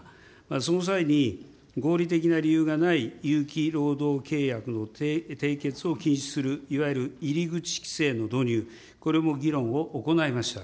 その際に、合意的な理由がない有期労働契約の締結を禁止する、いわゆる入り口規制の導入、これも議論を行いました。